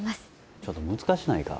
ちょっと難しないか？